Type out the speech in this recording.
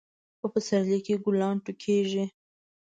په پسرلی کې ګلان راټوکیږي.